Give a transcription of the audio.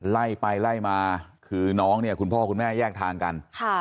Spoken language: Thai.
ไล่ไปไล่มาคือน้องเนี่ยคุณพ่อคุณแม่แยกทางกัน